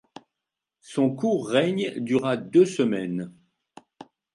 Son court règne dura deux semaines.